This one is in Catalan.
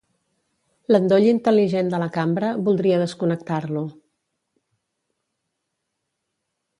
L'endoll intel·ligent de la cambra, voldria desconnectar-lo.